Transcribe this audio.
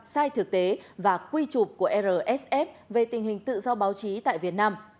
sai thực tế và quy trục của rsf về tình hình tự do báo chí tại việt nam